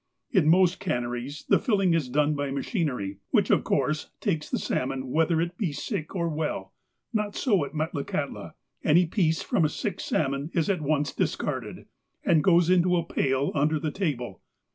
In most canneries the filling is done by machinery, which of course takes the salmon, whether it be sick or well. Not so at Metlakahtla. Any piece from a sick salmon is at once discarded, and goes into a pail under the table.